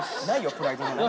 プライドなんて。